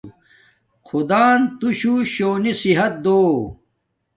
خدان تو شو شونی صحت دو